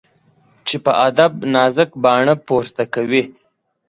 چي په ادب نازک باڼه پورته کوي